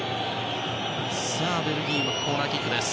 ベルギーのコーナーキックです。